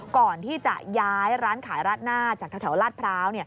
ก่อนที่จะย้ายร้านขายราดหน้าจากแถวลาดพร้าว